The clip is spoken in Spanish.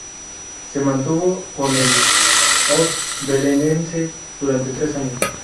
Se mantuvo con el Os Belenenses durante tres años.